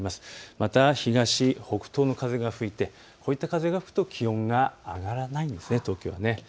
また東、北東の風が吹いて、こういった風が吹くと気温が上がらないんです。